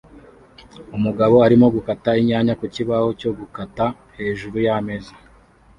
Umugabo arimo gukata inyanya ku kibaho cyo gukata hejuru yameza